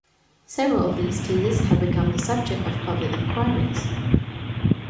Several of these cases have become the subject of public inquiries.